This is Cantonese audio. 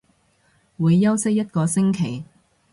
會休息一個星期